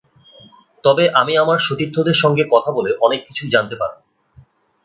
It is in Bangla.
তবে আমি আমার সতীর্থদের সঙ্গে কথা বলে অনেক কিছুই জানতে পারব।